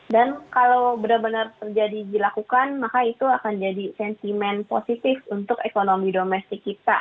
dan kalau benar benar terjadi dilakukan maka itu akan jadi sentimen positif untuk ekonomi domestik kita